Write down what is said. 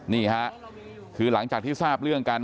นี่ค่ะคือหลังจากที่ทราบเรื่องกัน